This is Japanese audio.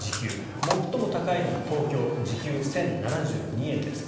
最も高いのが東京時給１０７２円です。